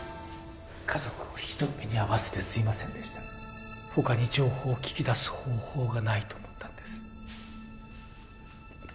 家族をひどい目に遭わせてすいませんでした他に情報を聞き出す方法がないと思ったんです